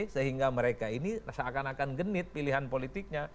sehingga mereka ini seakan akan genit pilihan politiknya